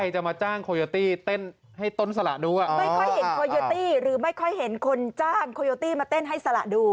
จ้างโคยตี้มาเต้นให้สละดู